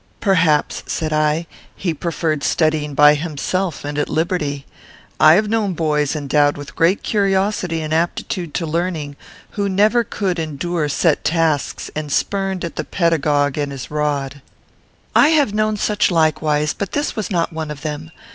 "Perhaps," said I, "he preferred studying by himself, and at liberty. I have known boys endowed with great curiosity and aptitude to learning, who never could endure set tasks, and spurned at the pedagogue and his rod." "I have known such likewise, but this was not one of them.